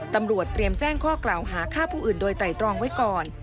ตำรวจเตรียมแจ้งข้อกล่าวหาฆ่าผู้อื่นโดยไตรตรองไว้ก่อน